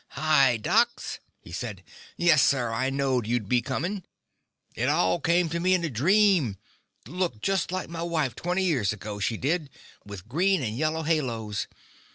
"Hi, docs," he said. "Yes, sir, I knowed you'd be coming. It all came to me in a dream. Looked just like my wife twenty years ago, she did, with green and yellow halos.